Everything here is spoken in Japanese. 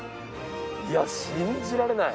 いや、信じられない。